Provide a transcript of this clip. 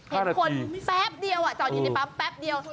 ๕นาทีจอดอยู่ในปั๊บแป๊บเดียว